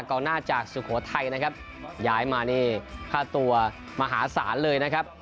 กองหน้าจากสุโขทัยนะครับย้ายมานี่ค่าตัวมหาศาลเลยนะครับ